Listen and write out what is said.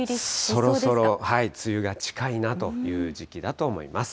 そろそろ梅雨が近いなという時期だと思います。